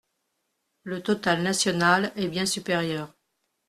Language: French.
Le total national est bien supérieur.